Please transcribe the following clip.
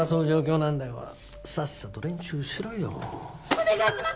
お願いします